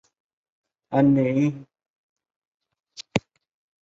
黑体深巨口鱼为辐鳍鱼纲巨口鱼目巨口鱼科的其中一种。